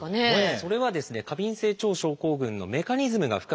それは過敏性腸症候群のメカニズムが深く関係しています。